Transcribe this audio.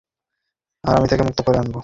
আর আমি তাকে মুক্ত করে আনবো।